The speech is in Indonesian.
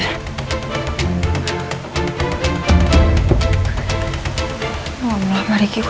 astaga ini pasti dari ricky